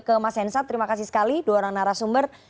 ke mas hensa terima kasih sekali dua orang narasumuh